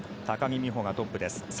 高木美帆がトップ。